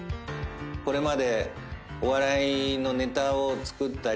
これまで。